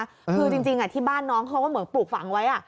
คือจริงที่บ้านน้องเขาก็เหมือนปลูกฝังไว้